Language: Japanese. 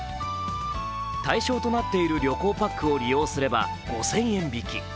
対象となっている旅行パックを利用すれば５０００円引き。